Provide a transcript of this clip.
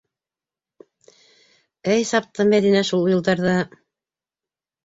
Әй сапты Мәҙинә шул йылдарҙа!